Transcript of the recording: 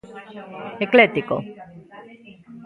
Ecléctico.